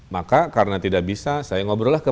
maka karena tidak bisa saya ngobrollah ke